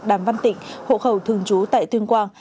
đàm văn tịnh hộ khẩu thường trú tại tuyên quang